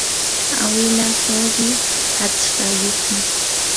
awilaa suqu aqtsayuqmi.